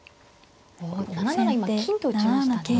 ７七今金と打ちましたね。